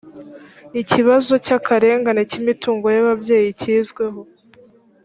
ikibazo cy akarengane kimitungo y ababyeyi cyizweho